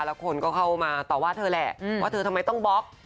แล้วคนก็เข้ามาต่อว่าเธอแหละว่าเธอทำไมต้องบล็อก